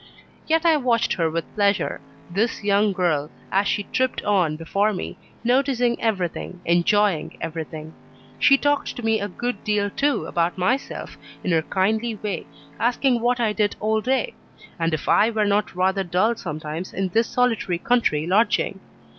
Yet I watched her with pleasure this young girl, as she tripped on before me, noticing everything, enjoying everything. She talked to me a good deal too about myself, in her kindly way, asking what I did all day? and if I were not rather dull sometimes, in this solitary country lodging?